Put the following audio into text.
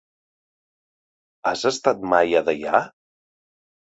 Has estat mai a Deià?